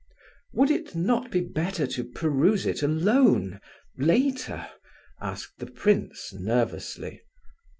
"Would it not be better to peruse it alone... later," asked the prince, nervously.